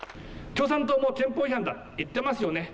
共産党も憲法違反だと言ってますよね。